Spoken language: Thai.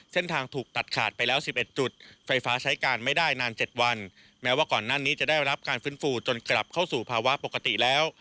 ถูกตัดขาดไปแล้ว๑๑จุดไฟฟ้าใช้การไม่ได้นาน๗วันแม้ว่าก่อนหน้านี้จะได้รับการฟื้นฟูจนกลับเข้าสู่ภาวะปกติแล้ว